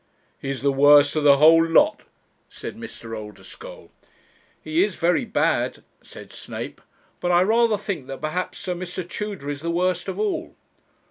'He's the worst of the whole lot,' said Mr. Oldeschole. 'He is very bad,' said Snape; 'but I rather think that perhaps, sir, Mr. Tudor is the worst of all.'